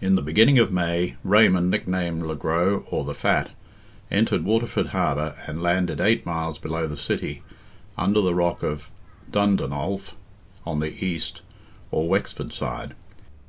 In the beginning of May, Raymond, nicknamed le gros, or the Fat, entered Waterford harbour, and landed eight miles below the city, under the rock of Dundonolf, on the east, or Wexford side.